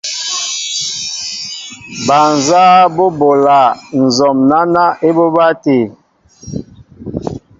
Bal nzáá bɔ́ bola nzɔm náná ébobá tê.